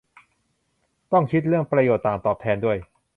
ต้องคิดเรื่องประโยชน์ต่างตอบแทนด้วย